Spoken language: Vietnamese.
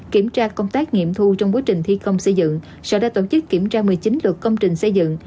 kiểm tra công tác nghiệm thu trong quá trình thi công xây dựng sở đã tổ chức kiểm tra một mươi chín lượt công trình xây dựng